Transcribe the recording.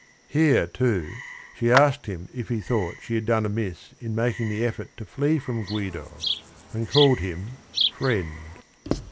Here, too, she asked him if he thought she had done amiss in making the effort to flee from Guido, and called him "friend."